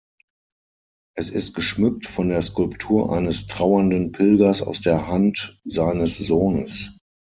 Es ist geschmückt von der Skulptur eines trauernden Pilgers aus der Hand seines Sohnes.